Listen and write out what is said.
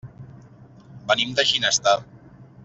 Venim de Ginestar.